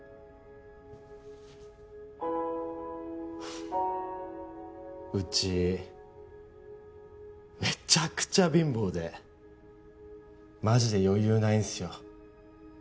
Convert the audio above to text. フッうちめちゃくちゃ貧乏でマジで余裕ないんすよ